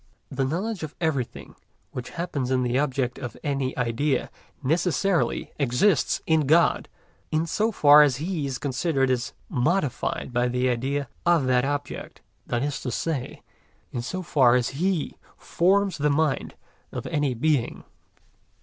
The knowledge of everything which happens in the object of any idea necessarily exists in God, in so far as He is considered as modified by the idea of that object; that is to say, in so far as He forms the mind of any being.